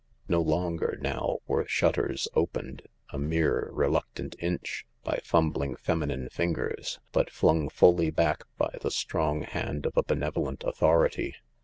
No longer now were shutters opened, a mere reluctant inch, by fumbling feminine fingers, but flung fully back by the strong hand of a benevo lent authority.